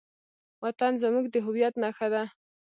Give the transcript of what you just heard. وطن زموږ د هویت نښه ده.